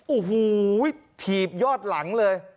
อูหูวิถีบยอดหลังเลย